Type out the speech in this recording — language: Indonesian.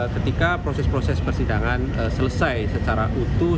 ketika proses proses persidangan selesai secara utuh